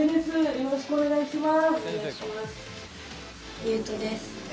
よろしくお願いします